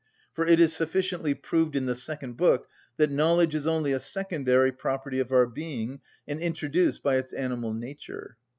For it is sufficiently proved in the second book that knowledge is only a secondary property of our being, and introduced by its animal nature.